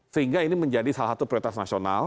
sehingga ini menjadi salah satu prioritas nasional